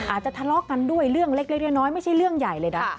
ทะเลาะกันด้วยเรื่องเล็กน้อยไม่ใช่เรื่องใหญ่เลยนะ